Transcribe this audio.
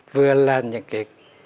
vừa là những cái